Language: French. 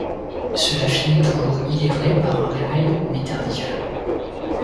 Cela finit toujours, il est vrai, par un réveil, mais tardif.